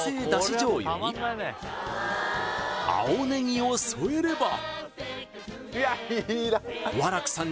醤油に青ネギを添えればわらくさん